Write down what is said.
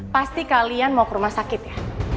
pasti kalian mau ke rumah sakit ya